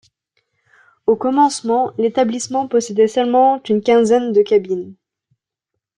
Au commencement, l’établissement possédait seulement une quinzaine de cabines.